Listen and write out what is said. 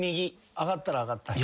上がったら上がったって。